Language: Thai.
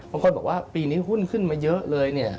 บางคนบอกว่าปีนี้หุ้นขึ้นมาเยอะเลยเนี่ย